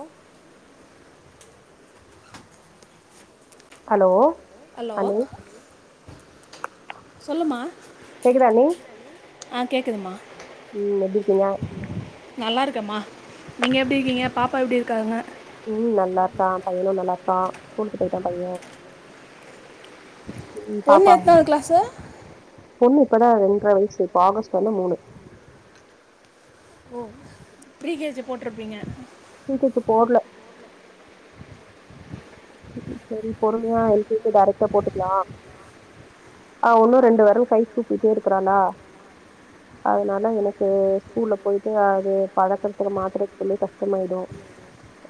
ஒ hello hello சொல்லுமா கேக்குதா அண்ணி ஆ கேக்குதுமா உம் எப்டி இர்கிங்க நல்லா இர்க்கேமா நீங்க எப்டி இருகீங்க பாப்பா எப்டி இருக்காங்க உம் நல்லா இருக்கா பையனு நல்லா இரு கா ஸ்கூலுக்கு போயிட்டா பையே பொண்ணு எத்தனாவ் கிளாஸு பொண்ணு இப்பதா ரெண்ர வயசு இப்ப ஆகஸ்ட் வந்த மூனு ப்ரீ கே ஜி போட்ருப்பீங்க நீ கொத் போகுல சேரி பொறுமயா எல் கே ஜி டைரக்டா போட்டுக்லா ஆ ஒன்னு ரெண்டு வெரல் கை சூப்பீட்டே இருக்குறாளா அதனால எனக்கு ஸ்கூல்ல போயிட்டு அது பழக்கத்துல மாத்தறது குல்லி கஷ்டமாயிடு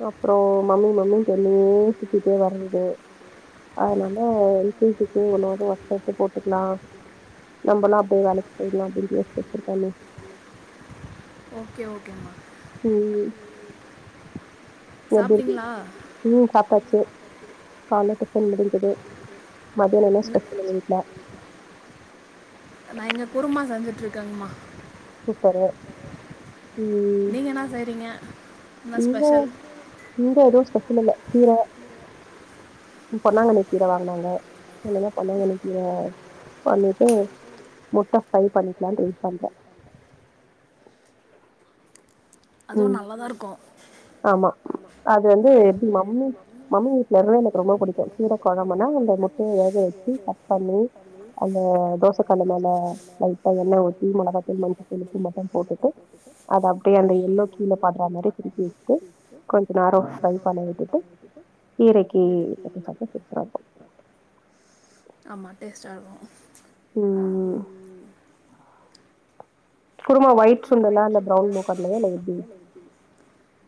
அப்பறோ மம்மி மம்மி சொல்லி சு கிட்டே வருது அதனால ஒண ஒ போட்டுக்கலா நம்பலா அப்டியே வேலக் போயிட்லா அப்டின் யோசிருக்கே அண்ணி ஓகே ஓகேம்மா உம் எப்டி இருகிங் உம் சாப்டச் கால்ல டிபன் முடிஞ்சது மதியான என்ன ஸ்பெசல் ஒங்க வீட்ல நா இங்க குருமா செஞ்சுட்ருக்கேங்கம்மா சூப்பரு நீங்க என்னா செய்றீங்க என்னா ஸ்பெஷல் இல்ல இல்ல கீர பொன்னாங்கண்ணி கீர வாங்னாங்க இல்லனா பொன்னாங்கண்ணி கீர பண்ணீட்டு முட்ட ஃப்ரை பண்ணிக்லான் வெய்ட் பண்றே [inaudible] அதுவு நல்லதா இருக்கு அது வந்து மம் மம்மி வீட்டில் வந்து எனக்கு ரொம்ப பிடிக்கு [unintelligible] கீர போழமனா இந்த மத்த எழுத வச்சி தப்பண்ணி அந்த தோசை கொண்ணமன வப்பை எல்லாம் வெஊச்சி மிளகட்ட மச்சி மட்டன் போட்டுட்டு அதை [unintelligible] எல்லோ கீழ படுற மாரி திருப்பி வச்சுட்டு கொஞ்ச நேரோ னாரும் பிரைய் பண்ணி விட்டுட்டு கீரைக்கி தொட்டு சாப்டா சூப்பரா இருக்கும் ஆமா டேஸ்ட்டா இருக்கும் ம் குருமா ஒயிட் சுண்டலா இல்ல பிரவுன் மூக்கட்லயா எப்டி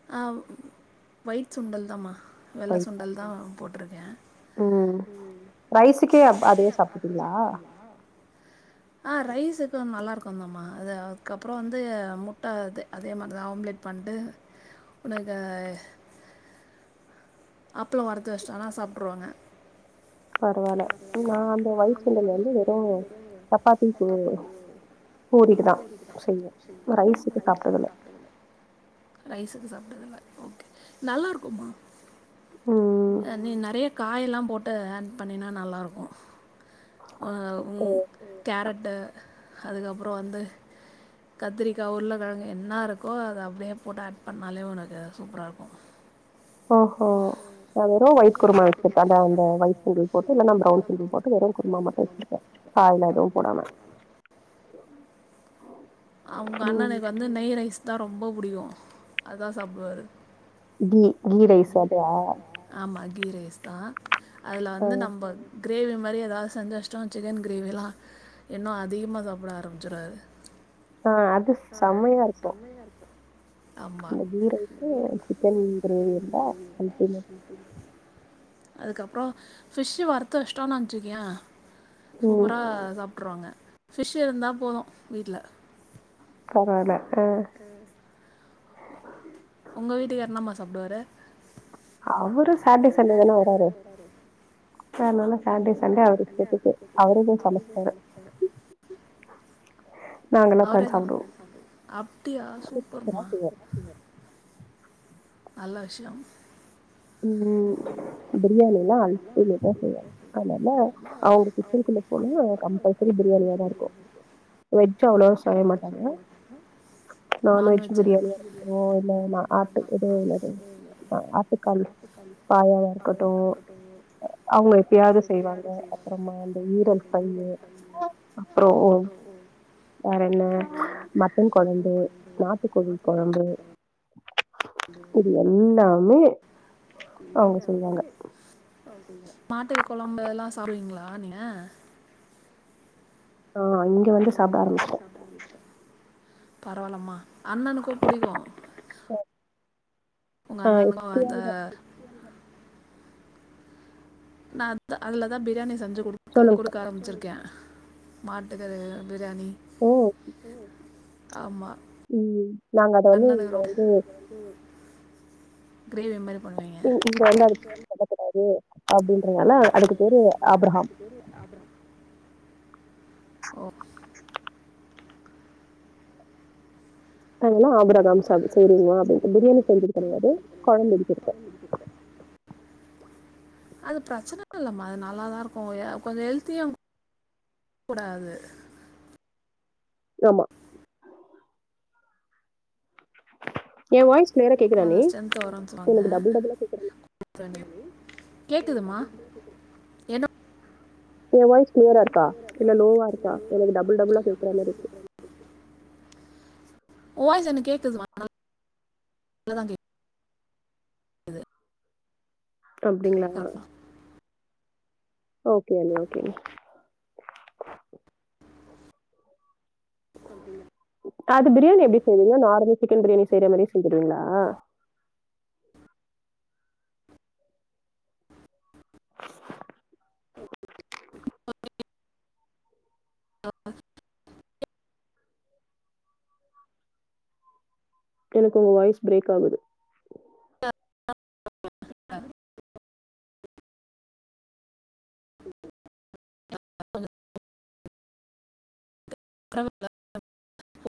அதான் ஆவ் ஒயிட் சுண்டல் தாம்மா வெள்ள சுண்டல் தான் போட்ருக்கே ஆ ரைஸு நல்லா இருக்குந்தம்மா அது அதுகப் அப்றோம் வந்து முட்ட இது அதே மாரிதான் ஆம்லேட் பண்ணிட்டு உனக்கு அப்பளோம் வறுத்து வச்சட்டனா சாப்டுருவாங்க அதனால நா அந்த ஒயிட் சுண்டல் வந்து வெறு சப்பாத்திக்கு பூரிக்குதான் செய்வேன் ரைஸுக்கு சாப்டதுல்ல ரைஸுக்கு சாப்டதுல்ல ஓகே நல்லாருக்குமா அ நீ நெறய காய் எல்லாம் போட்டு அந் பண்ணினா நல்லாருக்கும் ஆ ம் கேரட் ட அதுக்கப்றோ வந்து கத்தரிக்கா உருளக்கெழங்கு என்ன இருக்கோ அத அப்டியே போட்டு ஆட் பண்ணாலே உனக்கு சூப்பராருக்கும் ஓஹோ நா வெறும் ஒயிட் குருமா வச்சிருக்கே அந்த வயிட்டுது கூடி போட்டு இல்லன்னா பிரௌன் சில்லி போட்டு வெறும் குரும்மா மட்டும் வச்சிருக்கேன் காய்லா எதும் போடாம அவுங்க அண்ணனுக்கு வந்து நெய் ரைஸ் தான் ரொம்ப புடிக்கும் அதான் சாப்டுவாரு கீ கீ ரைஸ் அதயா ஆமா கீ ரைஸ் தான் அதுல வந்து நம்ப கிரேவி மாரி ஏதாவது செஞ்சு வச்சிட்டோம் சிக்கன் கிரேவிலாம் இன்னும் அதிகமா சாப்ட ஆரம்ச்சுருவாரு ஆ அது செமயாருக்கும் ஆமா அந்த கீ ரைஸ் சிக்கன் கிரேவி இருந்தா அல்டிமேட் அதுக்கப்றோ ஃபிஷ் வறுத்து வச்சிடோன்னு வச்சுக்கயேன் சூப்பரா சாப்டுருவாங்க ஃபிஷ் இருந்தா போதும் வீட்ல பரவால த அவரும் சேட்டடே சண்டே தான வராரு அதுனால சாட்டே சண்டே அவருக்கு தொட்டுக்க அவரே சமச்சீப்பாரு அப்டியா சூப்பர்மா நல்ல விஷயோ உம் பிரியாணி எல்லா அல்லிமேட்டா செய்வாங்க அதனால அவுங்க கிச்சனுக்குள்ள போனா கம்பல்சரி பிரியாணியா தா இருக்கு வெஜ்ஜூ அவ்வளவா செய்ய மாட்டாங்கா நான்வெஜ் பிரியாணியா இருக்கு ஓ இல்ல ஆட்டு இது என்னது இ ஆட்டு பாயாவ இருக்கட்டு அவுங்க எப்பயாவது செய்வாங்க அப்புறமா அந்த ஈரல் பைய் அப்றோ வேற என்ன மட்டன் கொழம்பு நாட்டுக்கோழி கொழம்பு இது எல்லா [unintelligible] அவுங்க செய்வாங்க நாட்டுக்கோழி கொழம்ப எல்லா சா ங்களா நீங்க ஆ இங்க வந்து சாப்ட ஆரம்பிச்ட்டே பரவாலம்மா அண்ணனுக்கு புடிக்கு உங்க அண்ணனுக்கு அந்த நா அ அதுல்லதா பிரியாணி செஞ்சு குடு குடுக்க ஆரம்பிச்சிருக்கே மாட்டுக்கறி பிரியாணி ஆமா உம் நாங்க அத வந்து இங்க வந்து இங்க வந்து அதுக்கு பே சொல்லகூடாது அப்டின்றதுனால அதுக்கு பேரு ஆப்ரஹாம் ஓகே அதனால ஆப்ரகாம் சா செய்யறீங்களா அப்டின்னுட்டு பிரியாணி செஞ்சது கெடயாது கொழம்புடிச்சிருக்கே அது பிரச்சனை இல்லம அது நல்லாதா இருக்கு கொஞ்ச ஹெல்த்தியு கூட அது ஆமா எ வாய்ஸ் கிளியரா கேக்குதா அண்ணி எனக்கு டபுள் டபுளா கேக்குது கேக்குதுமா என்ன எ வாய்ஸ் கிளியரா இருக்கா இல்ல லோவா இருக்கா எனக்கு டபுள் டபுளா கேக்குற மாரி இருக்கு ஓ வாய்ஸ் எனக்கு கேக்குதுமா நல்லதா கேக்குது ப்புறோ அப்பிடிங்களா ஓகே அன்னி ஓகே அன்னி அது பிரியாணி எப்பிடி செய்வீங்க நார்மல் சிக்கன் பிரியாணி செய்ற மாரி செய்ஞ்சுருவீங்களா [inaudible] [inaudible] ஆஹ் எனக்கு உங்க வாய்ஸ் பிரேக் ஆகுது [unintelligible] [unintelligible] க்கரங் [unintelligible]